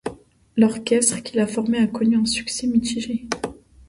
L'orchestre qu'il a formé a connu un succès mitigé.